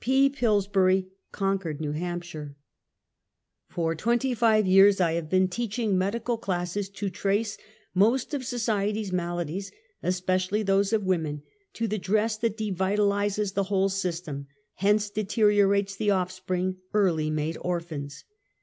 ♦ P. PiLLSBURY, Concord, N. H. Uteri? le Or^i^ans. SOCIAL EVIL. 105 For twenty five years I have been teaching medi cal classes to trace most of society's maladies, es pecially those of women, to the dress that devitalizes the whole system, hence deteriorates the offspring, early made orphans.